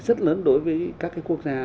rất lớn đối với các cái quốc gia